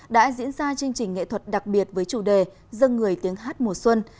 đã diễn ra chương trình nghệ thuật đặc biệt với chủ đề dân người tiếng hát mùa xuân